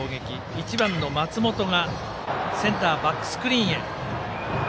１番の松本がセンターバックスクリーンへ。